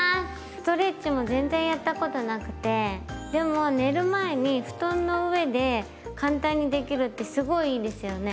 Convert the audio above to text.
ストレッチも全然やったことなくてでも寝る前に布団の上で簡単にできるってすごいいいですよね。